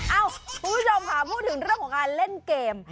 คุณผู้ชมค่ะพูดถึงเรื่องของการเล่นเกม